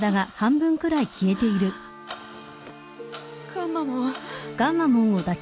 ガンマモン。